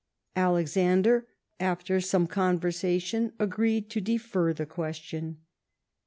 Alexander, after some conversation, agreed to defer the question.